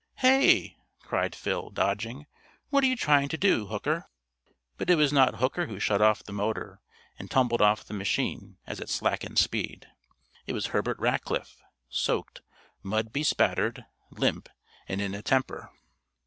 "Hey!" cried Phil, dodging. "What are you trying to do, Hooker?" But it was not Hooker who shut off the motor and tumbled off the machine as it slackened speed. It was Herbert Rackliff, soaked, mud bespattered, limp and in a temper.